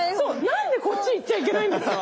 何でこっち行っちゃいけないんですか？